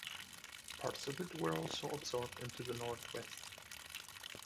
Parts of it were also absorbed into the North West.